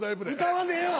歌わんでええわ！